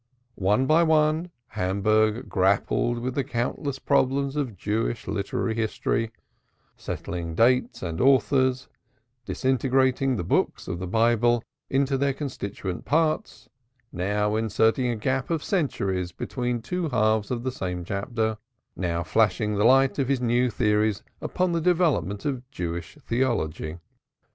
One by one Hamburg grappled with the countless problems of Jewish literary history, settling dates and authors, disintegrating the Books of the Bible into their constituent parts, now inserting a gap of centuries between two halves of the same chapter, now flashing the light of new theories upon the development of Jewish theology.